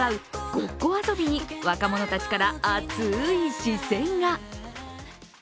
ごっこ遊びに若者たちから熱い視線が。